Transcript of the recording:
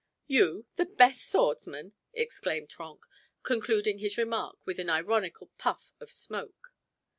"You, the best swordsman!" exclaimed Trenck, concluding his remark with an ironical puff of smoke.